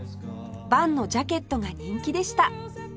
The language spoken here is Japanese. ＶＡＮ のジャケットが人気でした